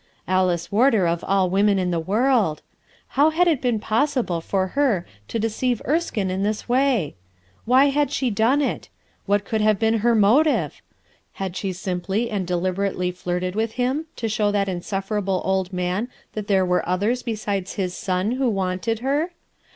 Alice Warder of all women in the world ! How had it been possible for her to deceive Erskine in this way ? Why had she done it? What could have been her motive? Had she simply and deliberately flirted with him, to show that insufferable old man that there were others besides his son SS RUTH ERSKINE'S SON who wanted bcr?